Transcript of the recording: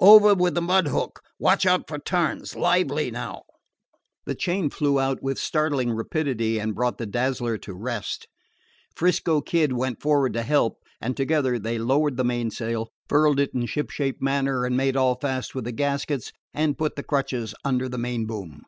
Over with the mud hook! Watch out for turns! Lively, now!" The chain flew out with startling rapidity and brought the Dazzler to rest. 'Frisco Kid went for'ard to help, and together they lowered the mainsail, furled it in shipshape manner and made all fast with the gaskets, and put the crutches under the main boom.